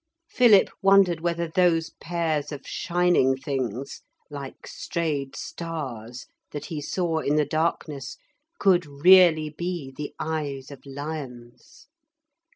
Philip wondered whether those pairs of shining things, like strayed stars, that he saw in the darkness, could really be the eyes of lions.